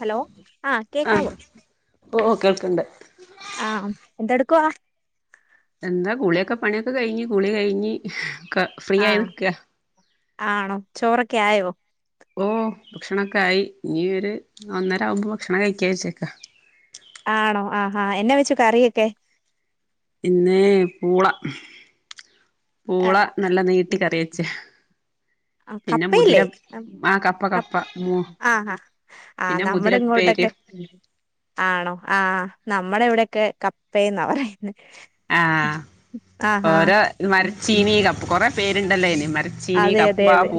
Hello ആഹ് കേക്കാവോ? ഓ കേൾക്ക്ണ്ട് ആഹ് എന്തെടുക്വാ? എന്താ കുളിക്കെ പണിക്കെ കയ്ഞ്ഞ് കുളി കയ്ഞ് ഹ്.. ക്ഫ്രീയായി ആഹ് നിക്കാ ആണോ? ചോറൊക്കെ ആയോ? ഓ.. ഭക്ഷണൊക്കായി ഞ്ഞി ഒര് ഒന്നര ആവുമ്പോ ഭക്ഷണം കയിക്കാ ചാരിക്കാ ആണോ ആ ഹാ എന്ന വെച്ചു കറിയൊക്കെ? ഇന്ന്.. പൂള. പൂള നല്ല നീട്ടി കറിവെച്ചേഹ് ആ കപ്പയല്ലേ അം ആ കപ്പ കപ് കപ്പ മു ആ.. ഹാ ആ പിന്നെ നമ്മടെ മുതിരപ്പേര് ഇങ്ങോട്ടേക്കെ ആണോ ആഹ്. നമ്മടെ ഇവെടെക്കെ കപ്പേന്നാ പറയ്ന്നേ. ആഹ് ഓരോ മരച്ചീനി കപ് കൊറേ പേര്ണ്ടല്ലോ ഐന്ന് മരച് അതെതെതെ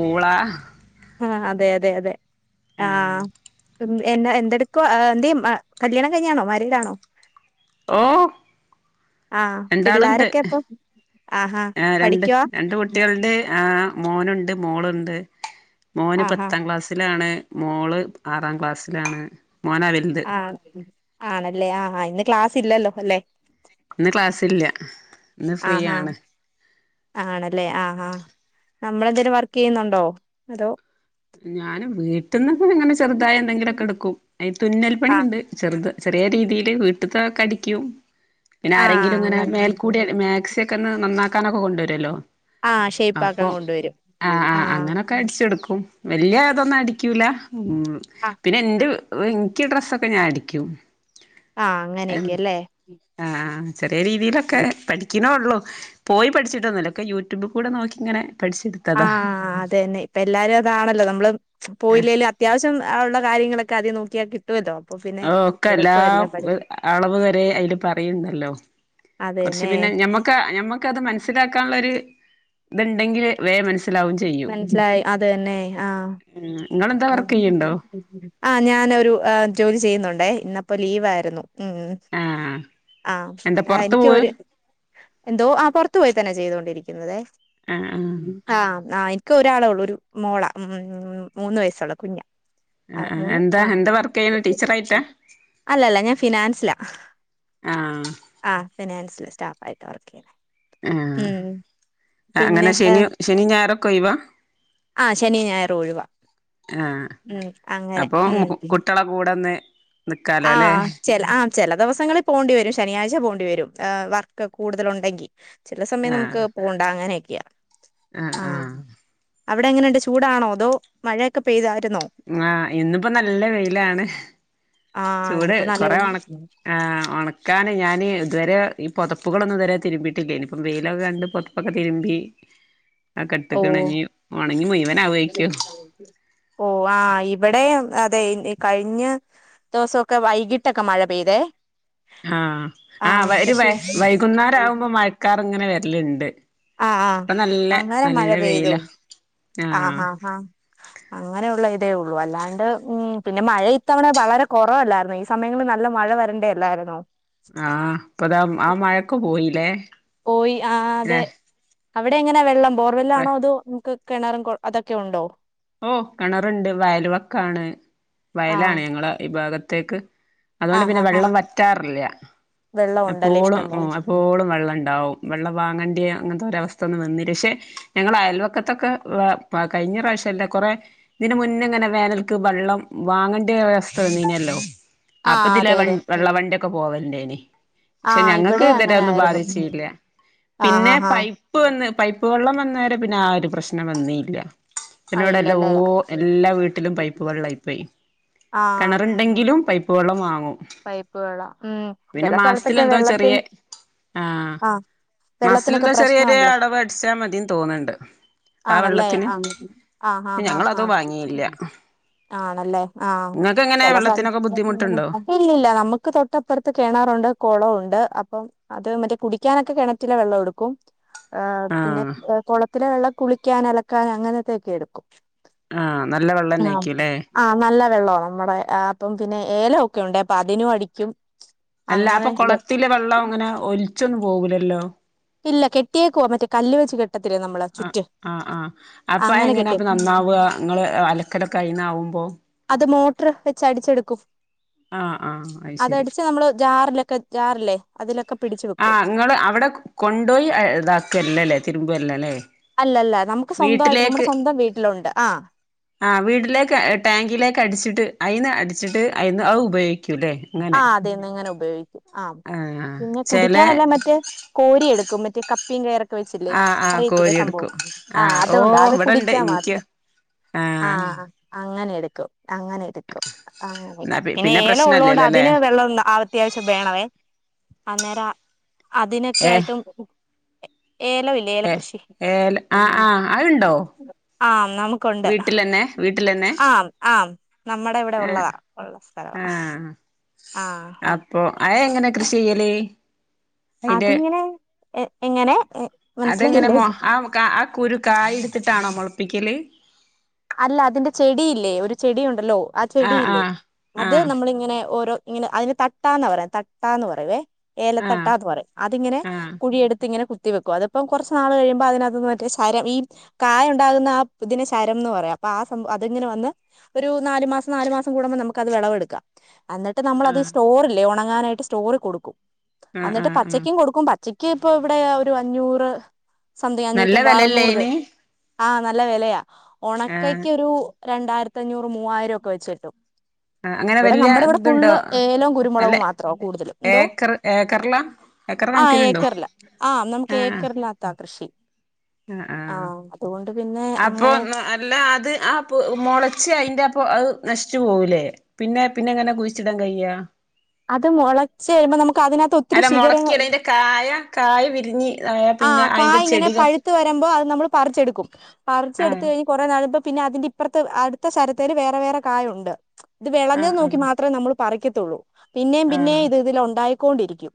ആഹ്അതെ അതെ അതെ ആഹ് ട്ടും എന്ന എന്തെട്ക്വ ഹ്.. എന്തീം ഹ് കല്യാണം കയ്ഞ്ഞാണോ മാരീടാണോ? ഓഹ്.. ആഹ് രണ്ടാള്ണ്ട് പിള്ളാരൊക്കെ ഹ് അപ്പൊ ആഹാ ആ.. രണ്ട് പഠിക്കുവാ രണ്ട് കുട്ട് ട്ട്യൾണ്ട് ആ മോനുണ്ട് മോള്ണ്ട് മോന് ആഹാ പത്താം ക്ലാസ് ത്ത്ലാണ് മോള് ആറാം ക്ലാസ്സ്ലാണ് മോനാ അൽദ്. ആഹ്.. ആണല്ലേ ആ ഹാ ഇന്ന് ക്ലാസ് ഇല്ലല്ലോ അല്ലെ? ഇന്ന് ക്ലാസ്സില്ല. ഹ് ആഹാ അ ആണല്ലേ ആഹാ നമ്മളെന്തേലും വർക്കീയ്യുന്നുണ്ടോ? ഞാന് വീട്ടിൽന്ന്ഹ് ങ്ങനെ ചെറ്തായെന്തെങ്കിലൊക്കെഇട്ക്കും എ ആ തുന്നൽപ്പണിണ്ട്. ചെറ്ത് ചെറേ രീതില് വ ഉട്ട്ത്തോക്കെ അടിയ്ക്കും പിന്നെ ആ ആരെങ്കിലുങ്ങനെ അങ്ങനെ മേൽക്കൂടി അ മാക്സ്യോകൊന്ന് നന്നാക്കാനൊക്കെ കൊണ്ടേരോല്ലോ ആ അപ്പൊ ഷേപ്പാക്കാൻ കൊണ്ടുവരും ആ അ അങ്ങനെ ക്കേ അട്ച്ചൊട്ക്കും വല്യതൊന്നും അടി ക്യൂല മ്.. ആ പിന്നെന്റെഉ ഉഇൻക്ക് ഡ്രസ്സൊക്കെ ഞാനടിക്യും ആ എം അങ്ങനെയൊക്കെ അല്ലേ ആഹ് ചെറ്യേ രീതിലൊക്കെ പഠിക്ണോള്ളു. പോയി പഠിച്ട്ടൊന്നുല്ല ക്കെ യൂട്യൂബ്കൂടെ നോക്കിങ്ങനെ പഠിച്ട് ആഹ് അതെന്നെ പ്പേല്ലാരും അതാണല്ലോ നമ്മള് ച് പോയില്ലേലും അത് ത്യാവ്ശ്യം അ ള്ള കാര്യങ്ങളൊക്കെ അതി നോക്യ കിട്ടോല്ലോ. അഒക്കെല്ലാ വ് അ അളവ് വെരെ അയില് പറീണ്ടല്ലോ. കൊറ്ച്ച് അതന്നെ പിന്നെ ഞമ്മക്അ ഞമ കത് മൻസിലാക്കാള്ളെര് ഇത്ണ്ടെങ്കില് വേം മൻസിലാവും ചെ മൻസ്സിലായി അതന്നെ ആഹ് ഉം ങ്ങളെന്താ വർക്കിയ്യ്ണ്ടോ? ആഹ് ഞാനൊരു അ ജോലി ചെയ്യ്ന്നുണ്ടേ ഇന്നപ്പോ ലീവായ്രുന്നു ഉം ഉം ഉം ആഹ് ആഹ് എന്താ ആഹ് പൊറത്ത് പോവ എനിക്കൊര് എന്തോ ആ പൊറ്ത്ത്പോയിത്തന്നെ ചെയ്തോണ്ടിരിക്ന്നതെ ആഹ് ആഹ് ആഹ് ആഹ് ഇൻക്ക് ഒരാളെ ഒള്ളൂ ഒരു മോളാ ഉ മൂന്ന് വയസ്സുള്ള കുഞ്ഞ ആ മൂന്ന് എന്താ ആ എന്താ വർക്ക് ചെയ്യണെ ടീച്ചറായിട്ടാ അല്ല അല്ല ഞാൻ ഫിനാൻസിലാ ആഹ് ആഹ് ഫിനാൻസിലെ സ്റ്റാഫ് ആയിട്ടാ വർക്കിയ്യണേ ആഹ് പിന്നെ അങ്ങനെ ശനി ശനി ഞായറൊക്കെ ഒയിവാ ആഹ് ശനി ഞായറു ഒഴിവാ ആഹ് ഉം അങ്ങനെ അപ്പൊ ഉം കുട്ട്യെളെ കൂടെ ഒന്ന് നിക്കാലോ അല്ലേ ആഹ് ചെല് ആഹ് ചില ദിവസങ്ങളിൽ പോണ്ടി വരും ശനിയാഴ്ച പോണ്ടി വരുംഏഹ് വർക്ക് കൂടുതലുണ്ടെങ്കി ചില ആ സമയം നമുക്ക് പോണ്ട അങ്ങനെയൊക്കെയാ ആ ആ ആഹ് അവിടെ എങ്ങനെയുണ്ട് ചൂടാണോ അതോ മഴയൊക്കെ പെയ്തായിരുന്നോ ആ ഇന്നിപ്പോ നല്ല വെയിലാണ് ആഹ് ചൂട് ഇന്നിപ്പോ നല്ല കുറെ വെയി ഒണ ആ ഒണ ക്കാന് ഞാന് ഇതുവരെ ഈ പുതപ്പുകളൊന്നും ഇതുവരെ തിരുമ്പിയിട്ടില്ലേനി ഇനിയിപ്പം വെയിലൊക്കെ കണ്ട് പൊതപ്പൊക്കെ തിരുമ്പി ഓ അഹകെട്ട്കിണ് ഞ് ഒണങി മുയ് വനാവോയ്ക്കു ഓഹ് ആഹ് ഇവിടെ അതെ കഴിഞ്ഞ ദോസൊക്കെ വൈകിട്ടൊക്കെ മഴ പെയ്തേ ആഹ് ആഹ് വ ഒര് വെ വൈകുന്നേരം ആവുമ്പോ മഴക്കാർ ഇങ്ങനെ വരല്ണ്ട് ആഹ് ആഹ് ഇപ്പൊ നല്ല അങ്ങനെ മഴ നല്ല പെയ്തു വെയില ആഹ് അങ്ങനെയുള്ള ഇതേ ഉള്ളൂ അല്ലാണ്ട് ഉം പിന്നെ മഴ ഇത്തവണ വളരെ കുറവല്ലായിരുന്നു ഇ സമയങ്ങളിൽ നല്ല മഴ വരേണ്ട അല്ലായിരുന്നോ ആഹ് ഇപ്പൊതാ ആ മഴക്ക പോയില്ലേ പോയി ആഹ് അതെ ഏഹ് അവിടെ എങ്ങനെയാ വെള്ളം ബോർ വെല്ലാണോ അതോ നമുക്ക് കിണറും കൊ അതൊക്കെ ഉണ്ടോ ഓഹ് കിണറുണ്ട് വയൽ വക്കാണ് ആഹ് വയലാണ് ഞങ്ങളെ ഈ ഭാഗത്തേക്ക് അതോണ്ട് ആഹ് പിന്നെ ആഹ് ആഹ് വെള്ളം വറ്റാറില്ല വെള്ളം ഉണ്ടല്ലേ എപ്പോളും ഇഷ്ടം ഉം പോലെ എപ്പോളും വെള്ളംണ്ടാവും വെള്ളം വാങ്ങേണ്ട്യെ അങ്ങൻത്തെരവസ്ഥ ഒന്നും വന്നില്ല പക്ഷെ ഞങ്ങളെ അയൽവക്കത്തൊക്കെ വ പ കഴിഞ്ഞ പ്രാവശ്യംല്ല കൊറെ ഇതിന് മുന്നെങ്ങനെ വേനൽക്ക് വെള്ളം വാങ്ങേണ്ടിഒരവസ്ഥ വന്നീനല്ലോ ആഹ് അപ്പതില അതെ വ അതെ വെള്ള വണ്ടിയൊക്കെ പോവൽണ്ടേയ്നി ക്ഷെ ആഹ് ഞങ്ങൾക്ക് ഇവിടെ ഇതുവരെ അങ്ങനെ ഒന്നും ആയിരുന്നു ബാധിച്ചില്ല ആഹ് പിന്നെ ആഹ് ആഹ് പയ് പ്പ് വന്ന് പൈപ്പ് വെള്ളം വന്നേരെ പിന്നെ ആ ഒരു പ്രശ്നം വന്നീല്ല ആഹ് പിന്നോടെല്ലാം ഇല്ലല്ലേ ഓ എല്ലാ വീട്ടിലും പൈപ്പ് വെള്ളാമായിപ്പോയി ആഹ് കിണറൻ ണ്ടെങ്കിലും പൈപ്പ് വെള്ളം വാങ്ങും പൈപ്പ് വെളളം മ്മ് ചില സ്ഥലത്തൊക്കെ വെള്ളത്തിൽ ആ മാസത്തിൽ വെള്ളത്തിനൊക്കെ ന്താ ചെറിയൊരു പ്രശ്നമാണല്ലോ അടവ് അടിച്ചാ മതിന്ന് തോന്ന്ണ്ട് ആ ആണല്ലേ വെള്ളത്തിന് ആഹ് ആഹ് ആഹ് ആഹ് ഞങ്ങളതു വാങ്ങിയില്ല ആഹ് ആണല്ലേ ആഹ ഇങ്ങക്കെങ്ങനെ ചില സല വെള്ളത്തിനൊക്കെ ബുദ്ധിമുട്ടുണ്ടോ [unintelligible] ഇല്ലില്ല നമുക്ക് തൊട്ടപ്പുറത്ത് കിണർ ഉണ്ട് കുളം ഉണ്ട് അപ്പം അത് വന്നിട്ട് കുടിക്കാനൊക്കെ കിണറ്റിലെ വെള്ളം എടുക്കും ആ പിന്നെ ആഹ് കുളത്തിലെ വെള്ളം കുളിക്കാൻ അലക്കാൻ അങ്ങനത്തെൊക്കെ എടുക്കും ആഹ നല്ല വെള്ളന്നെ ആയ്ക്കൂല്ലേ ആ നല്ല വെള്ളോവാ നമ്മുടെ അപ്പം പിന്നെ ഏലൊക്കെ ഉണ്ട് അപ്പൊ അതിനും അടിക്കും അല്ല അപ്പൊ അങ്ങനെയൊക്കെ കുളത്തില വെള്ളം അങ്ങനെ ഒലിച്ചൊന്നും പോവൂലല്ലോ ഇല്ല കെട്ടിയേക്കവാ മറ്റേ കല്ല് വെച്ച് കേട്ടത്തില്ലേ നമ്മൾ ആഹ് ചുറ്റ് അങ്ങനെ കെട്ടിയേക്ക വുക ഇങ്ങളെ അലക്കലൊകയിന്നാവുമ്പോ അത് മോട്ടർ വെച്ച് അടിച്ചെടുക്കും ആഹ് ആഹ് അത് ശരി അതടിച്ച് നമ്മള് ജാറിലൊക്കെ ജാറില്ലേ അതിലൊക്കെ പിടിച്ചു വെക്കും ങ്ങള് അവിടെ കൊണ്ടോയി ഇതാക്കിയല്ലേ ല്ലേ തിരുമ്പല്ല ല്ലേ അല്ലഅല്ല നമുക്ക് സ്വന്തമായിട്ട് നമ്മുടെ സ്വന്തം വീട്ടിലുണ്ട് ആ ആഹ് വീട്ടിലേക്ക് ടാങ്കിലേക്ക് അടിച്ചിട്ട് അയിന്ന് അടിച്ചിട്ട് അയിന്ന് അത് ഉപയോഗിക്കും ആക്കൂല്ലേ എങ്ങനെ അ ഇങ്ങനെ ഉപയോഗിക്കും ആ പിന്നെ ചെല കുടിക്കാനല്ല മറ്റ കോരി എടുക്കും മറ്റേ കപ്പീൻ കയറൊക്കെ വച്ചില്ലേ ആഹ് ആഹ് അറിയത്തില്ലേ കോരിയെടുക്കും സംഭവം ആ ആഹ് ഓ അതൊണ്ട് അത് ഇവിടെണ്ട് കുടിക്കാ ഇനിക്ക് മാത്രം ആഹ് അങ്ങനെ എടുക്കും അങ്ങനെ എടുക്കും അങ്ങനെ എന്നാ പിന്നെ ഏല ഉള്ള പ്രശ്നല്ലല്ലോ ല്ലേ വെള്ളം അത്യാവശ്യം വേണവേ അന്നേരം അതിനൊക്കെ ആയിട്ടും ഏലം മില്ലെ ഏ ഏലം ആ ആ അതുണ്ടോ ആ നമുക്കുണ്ട് വീട്ടിലന്നെ ആ ആ നമ്മുടെ ഇവിടെ ആഹ് ഉള്ളതാ ഉള്ള സ്ഥലവാ ആഹ് ആഹ് അപ്പൊ അ എങ്ങനെ കൃഷി ചെയ്യല് അയിന്റെ അതിങ്ങനെ എങ്ങനെ അതെങ്ങനെ മനസ്സിലായില്ലേ മൊ ആ ആ കുരു കായ എടുത്തിട്ടാണോ മുളപ്പിക്കൽ അല്ല അതിന്റെ ചെടിയില്ലേ ഒരു ചെടിയുണ്ടല്ലോ ആ ആഹ് ചെടിയില്ലേ ആഹ് അത് ആഹ് നമ്മളിങ്ങനെ ഓരോ ഇങ്ങനെ അതിന് തട്ടാന്ന് പറയാ തട്ടാ എന്ന് പറയേ ഏലത്തട്ട ആഹ് എന്ന് പറയും അതിങ്ങനെ ആഹ് കുഴിയെടുത്ത് ഇങ്ങനെ കുത്തി അത് കുഴി എടുത്തു കുത്തി വെക്കും അതിപ്പ കുറച്ച് നാൾ കഴിയുമ്പോ അതിനകത്ത്ന്ന് ശരം ഈ കായ ഉണ്ടാകുന്ന ആ പുതിന ശ ശരം എന്ന് പറയാം അപ്പ ആ അതങ്ങനെ വന്ന് ഒരു നാല് മാസം നാല് മാസം കൂടുമ്പോ നമുക്ക് അത് വിളവെടുക്കാം എന്നിട്ട് നമ്മൾ അത് ആഹ് സ്റ്റോറല്ലേ ഉണങ്ങാനായിട്ട് സ്റ്റോറി കൊടുക്കും ആഹ് എന്നിട്ട് ആഹ് ആഹ് പച്ചക്കും കൊടുക്കും പ പ ച്ചക്ക് ഇപ്പൊ ഇവിടെ ഒരു അഞ്ഞൂറ് സംതിങ് അഞ്ഞൂറ്റി നല്ല അമ്പത് വെലല്ലേ അറുനൂറു അയിന് ആഹ് നല്ല വിലയാ ആഹ് ഉണക്കയ്ക്കൊറൂ ഒരു രണ്ടായിരത്തി അഞ്ഞൂറ് മൂവായിരം ഒക്കെ വെച്ച കട്ടും ആഹ് അങ്ങനെ ഇവിടെ വല്യ നമ്മുടെ ഇവിടെ ഇതുണ്ടോ ഫുള്ള് ഏലവും നല്ല കുരുമുളകും മാത്ര കൂടുതലും എന്തോ ഏക്കർ ഏക്കറിലാ ഏക്കർ ആഹ് കണക്കിന് ഉണ്ടോ ഏക്കറില ആഹ് നമുക്ക് ആഹ് ഏക്കറിനകത്താ കൃഷി ആഹ് ആഹ് അതുകൊണ്ട് പിന്നെ അപ്പൊ അങ്ങനെ അല്ല അത് ആ മുളച്ച് അതിന്റെ അപ്പൊ അത് നശിച്ചു പോകൂലേ പിന്നെ പിന്നെ എങ്ങനെ കുഴിച്ചിടാൻ കയ്യാ അത് മുളച്ച് കഴിയുമ്പോ നമുക്ക് അതിനകത്ത് ഒത്തിരി അല്ല ശീഖിര മൊളക്കല്ല അയിന്റെ കായ കായ വിരിഞ്ഞി ആയ പിന്നെ അതിന്റെ ചെടികൾ ത്ത് വരുമ്പോ അത് നമ്മള് പറിച്ചെടുക്കും പറിച്ചെടുത്ത് ആഹ് കഴിഞ്ഞ് കുറെ നടുമ്പം പിന്നെ അതിന്റെ ഇപ്പറത്തെ അടുത്ത ശരത്തേല് വേറെ വേറെ കായുണ്ട് ഇത് ആഹ് വിളഞ്ഞത് നോക്കി ആഹ് മാത്രമേ നമ്മൾ പറിക്കത്തുള്ളൂ പിന്നേം പിന്നേം ആഹ് ഇത് ഇതിൽ ഉണ്ടായിക്കൊണ്ടിരിക്കും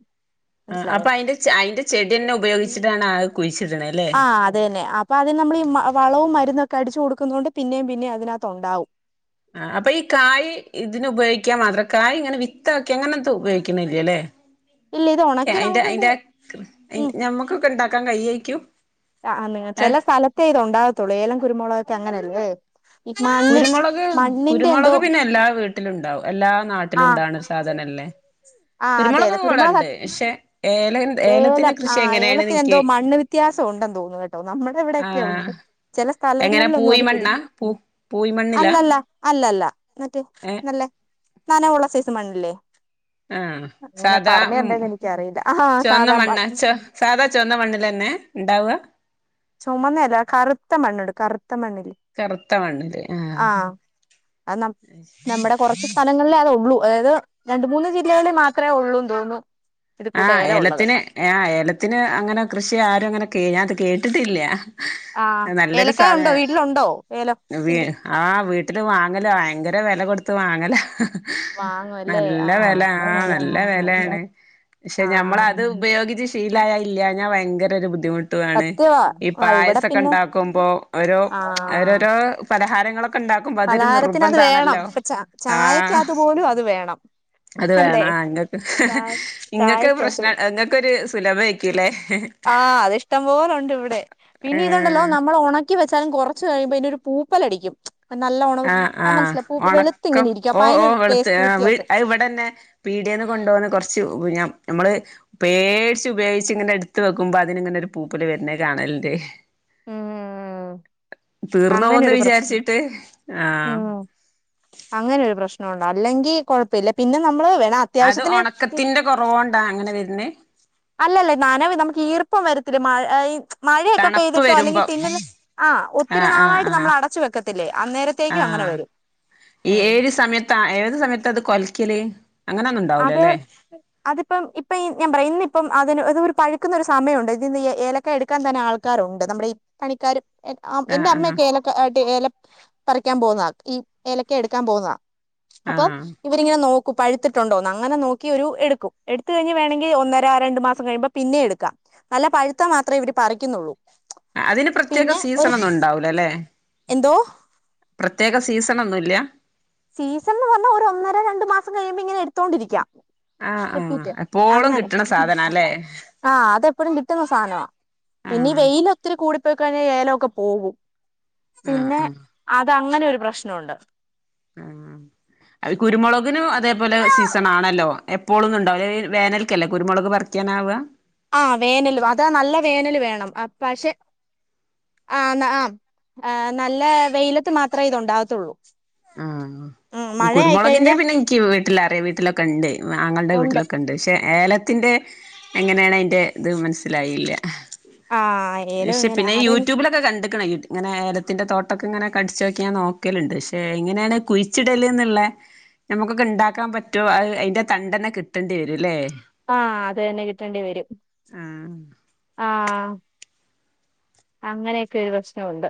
ആഹ് അപ്പൊ മനസ്സിലായോ അതിന്റെ അയിന്റെ ചെടി തന്നെ ഉപയോഗിച്ചിട്ടാണ് അത് കുഴിച്ചിടണല്ലേ ആഹ് അത് തന്നെ അപ്പം ആദ്യം നമ്മള് ഈ വളവും മരുന്നൊക്കെ അടിച്ച് കൊടുക്കുന്ന കൊണ്ട് പിന്നേ പിന്നേം അതിനകത്ത് ഉണ്ടാവും ആഹ് അപ്പൊ ഈ കായ് ഇതിനു ഉപയോഗിക്കാൻ മാത്രം കായ് ഇങ്ങനെ വിത്ത് ആക്കി അങ്ങനെന്തും ഉപയോഗിക്കുന്നില്ലല്ലേ ഇല്ല ഇത് ഉണക്കി അന്റെ നമുക്കത് അതിന്റെ ഉം ഞമ്മക്കൊക്കെ ഇണ്ടാക്കാൻ കായ്യേയിക്കും ആഹ് ഇനി ചില സ്ഥലത്തേ ഇത് ഉണ്ടാകത്തുള്ളൂ ഏലം കുരുമുളൊക്കെ അങ്ങനെയല്ലേ ഈ മണ്ണ് കുരുമുളക് മണ്ണിന്റെ എന്തോ കുരുമുളക് പിന്നെ എല്ലാ വീട്ടിലും ഉണ്ടാവും എല്ലാ നാട്ടിലും ആഹ് ഉണ്ടാവണ് സാധനല്ലേ ആഹ് അതെ കുരുമുളകൊക്കെ അതെ ഇവടെ കുരുമുളക് ഉണ്ട് പക്ഷെ ഏല അത്- ഏലത്തിന്റെ ഏലം കൃഷി ആഹ് എങ്ങനെയാണ് ഏലത്തിന് ഇനിക്ക് എന്തോ മണ്ണ് വ്യത്യാസം ഉണ്ടെന്ന് തോന്നുന്നു കേട്ടോ നമ്മുടെ ഇവിടൊക്കെ ഉണ്ട് ചില എങ്ങനെ സ്ഥലങ്ങളിലൊന്നും പൂയി അത് മണ്ണാ പിടിക്കും പൂ പൂയി മണ്ണിലാ അല്ലല്ല അല്ലല്ല മറ്റേ ഏ എന്നല്ലേ നനവുള്ള സൈസ് മണ്ണില്ലേ ആ എങ്ങനെ സാധാ ഉം പറഞ്ഞരണ്ടന്ന് എനിക്കറിയില്ല ആഹ് സാദാ മണ്ണ് സാദാ ചുവന്ന മണ്ണിലെന്നെ ഉണ്ടാവുക ചുമന്നല്ല കറുത്ത മണ്ണുണ്ട് കറുത്ത മണ്ണില് കറുത്ത മണ്ണില് ആഹ് അത് നമ്മുടെ കുറച്ച് സ്ഥലങ്ങ ലെ അതെള്ളൂ അതായത് രണ്ട് മൂന്ന് ജില്ലകളിൽ മാത്രമേ ഉള്ളൂന്ന് തോന്നൂ ആഹ് ഏലത്തിന് ആഹ് ഏലത്തിന് അങ്ങനെ കൃഷി ആരും അങ്ങനെ ഞാനത് കേട്ടിട്ടില്ല. ആഹ് നല്ലൊരു ഏലക്കായ ഉണ്ടോ വീട്ടിലുണ്ടോ ഏലം. ആ വീട്ടില് വാങ്ങല ഭയങ്കര വില കൊടുത്ത് വാങ്ങല. വാങ്ങുവല്ലേ നല്ല ആഹ് വെല ആഹ് നല്ല വെലയാണ്. പക്ഷെ ആഹ് നമ്മളത് ഉപയോഗിച്ച് ശീലായ ഇല്ലഞ്ഞാ ഭയങ്കര ഒരു ബുദ്ധിമുട്ട് ട്ടുവാണ് സത്യവാ ഈ ആ ഇവിടെ പായസൊക്കെ പിന്നെ ഉണ്ടാക്കുമ്പോ ഓരോ ആഹ് ഓരോരോ പലഹാരങ്ങളൊക്കെ ഇണ്ടാക്കുമ്പോ അതൊരു പലഹാരത്തിന് അത് വേണം നിർബന്ധാണല്ലോ ഇപ്പൊ ച ആഹ് ചായക്കകത്ത് പോലും അത് വേണം അത് അല്ലേ വേണം ഇങ്ങക്ക് ചായ ഇങ്ങക്ക് ചായക്കകത്ത് പ്രശ്ന ഇങ്ങക്കൊരു സുലഭമായിരിക്കുല്ലേ? ആഹ് അത് ഇഷ്ടം പോലുണ്ടിവിടെ പിന്നെ ഇതുണ്ടല്ലോ ഏഹ് നമ്മൾ ഒണക്കി ക്കിവെച്ചാലും കുറച്ച് കഴിയുമ്പോ അതിനൊരു പൂപ്പലടിക്കും. നല്ല ഉണ ആഹ് ആഹ് മനസ്സിലായി പൂ വെളുത്ത് ഒണക്കം ഇങ്ങനെ ഇരിക്കും അപ്പൊ ഓഹ് അതിനൊരു ഓഹ് വെളുത്ത് ടേസ്റ്റ് അത് വ്യത്യാസം ഇവിടന്ന പീടേന്ന് കൊണ്ടുവന്ന് കുറച്ച് ഞ ഞമ്മള് പേടിച്ച് പേടിച്ചിങ്ങനെ എടുത്ത് വെക്കുമ്പോ അതിനിങ്ങനെ ഒരു പൂപ്പില് വരുന്നേ കാണലിണ്ട് ആഹ് ആഹ് ആഹ് തീർന്ന് പോകുന്ന് വിചാരിച്ചിട്ട് ആഹ്. ഉം അങ്ങനെ ഒരു പ്രശ്നുണ്ട് അല്ലെങ്കിൽ കൊഴപ്പില്ല പിന്നെ നമ്മള് വേണാ അത് ഒണക്കത്തിന്റെ കൊറവോണ്ടാ അങ്ങനെ വരുന്നത് അല്ലല്ലേ നനവി നമുക്ക് ഈർപ്പം വരത്തില്ല മഴ മഴയൊക്കെ തണുപ്പ് പെയ്തിട്ടോ അല്ലെങ്കിൽ വരുമ്പം ടിന്നില് ആഹ് ഒത്തിരി ആഹ് നാളായിട്ട് ആഹ് നമ്മളടച്ചു വെക്കത്തില്ലേ അന്നേരത്തെ ത്തേക്കും അങ്ങനെ വരും. ഉം ഏത് സമയത്താ ഏത് സമയത്താത് കൊലക്കല്. അങ്ങനൊന്നും ഉണ്ടാവൂല അത് അല്ലേ അതിപ്പം ഇപ്പം ഈ ഞാൻ പറയാ ഇന്നിപ്പം അതിന് ഒരു അതൊരു പഴുക്കുന്ന ഒരു സമയമുണ്ട് ഇതിന്ന് ഏലക്ക എടുക്കാൻ തന്നെ ആൾക്ക കാറുണ്ട് നമ്മുടെ ഈ പണിക്കാര് എന്റെ ആഹ് ആഹ് അമ്മയൊക്ക ഏല ഏല പറിക്കാൻ പോന്ന ഈ ഇലക്ക എടുക്കാൻ പോകുന്നത അപ്പ ആഹ് ഇവിരിങ്ങനനോക്കും പഴുത്തി ട്ടുണ്ടോന്ന് അങ്ങനെ നോക്കിയൊരു എടുക്കും എടുത്ത് കഴിഞ്ഞ് വേണങ്കിൽ ഒന്നര രണ്ട് മാസം കഴിയുമ്പോം പിന്നെ എടുക്കാം. നല്ല പഴുത്താ മാത്ര ഇവര് പറിക്കുന്നുള്ളൂ. അതിന് പ്രത്യേക സീസണൊന്നും ഉണ്ടാവൂലല്ലേ. ന്തോ. പ്രത്യേക സീസണൊന്നുല്ല്യാ. സീസൺന്ന് പറഞ്ഞ ഒരു ഒന്നര രണ്ടു മാസം കഴിയുമ്പോ ഇങ്ങനെ എടുത്തോണ്ടിരിക്കാം. ആഹ് ആഹ് റിപ്പീറ്റ് എപ്പോളും അങ്ങനെ കിട്ടണ സാധനാല്ലേ ആഹ് അതെപ്പഴും കിട്ടുന്ന സാനമാ. പിന്നെ ഈ ആഹ് വെയിലൊത്തിരി കൂടി പോയി കഴിഞ്ഞാ ഏലൊക്കെ പോകും. ആഹ് പിന്നെ ആഹ് അതങ്ങനെ ഒരു പ്രശ്നമുണ്ട്. ആഹ് കുരുമുളകിനും അതേപോലെ സീസണാണല്ലോ എപ്പോളൊന്നും ഉണ്ടാവുല്ല വേനൽക്കല്ലേ കുരുമുളക് പറി ക്കാനാവ ആഹ് വേനല് അതാ നല്ല വേനല് വേണം പക്ഷെ ആഹ് ആ നല്ല വെയിലത്ത് മാത്ര ഇതു ഉണ്ടാവത്തുള്ളൂ. ആഹ് കുരുമുളകിന്റെ പിന്നെ എനിക്ക് വീട്ടലറിയാം വീട്ടില ക്കെണ്ട് ആങ്ങൾന്റെ ഉണ്ട് വീട്ടിലൊക്കെണ്ട് പക്ഷെ ഏല ത്തിന്റെ എങ്ങനെയാണ് അതിന്റെ ഇത് മനസ്സിലായില്ല. ആ ഏലം പക്ഷെ ഇങ്ങനെ പിന്നെ അത് യൂട്യൂബിലൊ ഒക്കെ കണ്ടക്കണ ഇങ്ങെനെ എലത്തിന്റെ തോട്ടൊക്കെ ഇങ്ങനെ അടിചോക്കാൻ നോക്കലുണ്ട്. ഏഹ് എങ്ങനെണ് കുഴിച്ചിടല്ന്നുള്ള ഞമുക്കൊക്കെ ഇണ്ടാക്കാൻ പറ്റുവോ അത് അയിന്റെ തണ്ടന്നെ കിട്ടണ്ടിരുല്ലേ ആഹ് അതന്നേ കിട്ടണ്ടി വരും ആഹ് ആഹ് അങ്ങനെക്കെ ഒരു പ്രശ്നമുണ്ട്.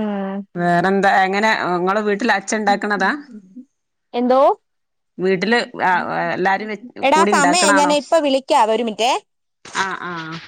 ഏഹ് വേറെന്താ എങ്ങനെ ഇങ്ങളെ വീട്ടില് അ എന്തോ വീട്ടില് എല്ലാരും എടാ കൂടി സമയായി ഞാൻ ഉണ്ടാക്കണാണോ ഇപ്പ വിളിക്ക ഒരു മിനിറ്റേ ആഹ് ആഹ്